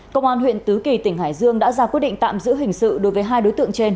công an huyện tứ kỳ tỉnh hải dương đã ra quyết định tạm giữ hình sự đối với hai đối tượng trên